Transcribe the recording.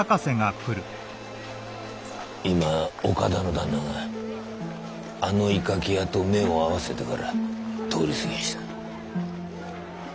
今岡田の旦那があの鋳掛け屋と目を合わせてから通り過ぎやした。